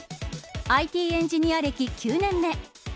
ＩＴエンジニア歴９年目。